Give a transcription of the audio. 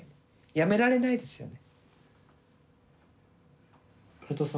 辞められないですよね。